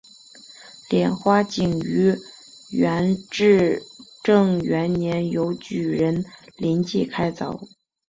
莲花井于元至正元年由举人林济开凿。